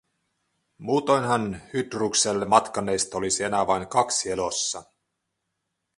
Muutoinhan Hydrukselle matkanneista olisi enää vain kaksi elossa.